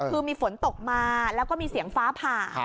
คือมีฝนตกมาแล้วก็มีเสียงฟ้าผ่า